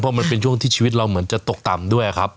เพราะมันเป็นช่วงที่ชีวิตเราเหมือนจะตกต่ำด้วยครับ